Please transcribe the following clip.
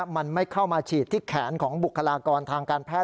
มันไม่เข้ามาฉีดที่แขนของบุคลากรทางการแพทย